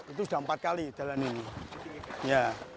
itu sudah empat kali jalan ini